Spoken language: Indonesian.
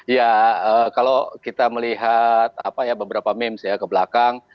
ya kalau kita melihat beberapa memes ya ke belakang